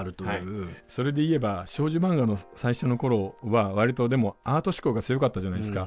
それで言えば少女マンガの最初のころはわりとでもアート思考が強かったじゃないですか。